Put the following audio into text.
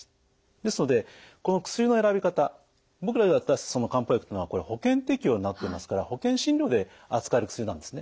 ですのでこの薬の選び方僕らが渡すその漢方薬っていうのは保険適用になっていますから保険診療で扱える薬なんですね。